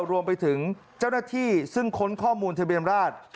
รวมไปถึงเจ้าหน้าที่ซึ่งค้นข้อมูลทะเบียนราช